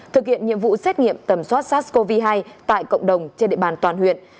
thực hiện nhiệm vụ xét nghiệm tầm soát sars cov hai tại cộng đồng trên địa bàn toàn huyện